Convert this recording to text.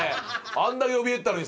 あんなにおびえてたのに。